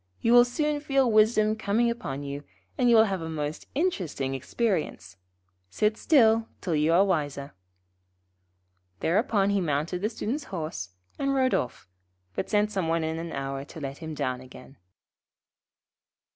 You will soon feel wisdom coming upon you, and will have a most interesting experience. Sit still till you are wiser.' Thereupon he mounted the Student's horse, and rode off, but sent some one in an hour to let him down again.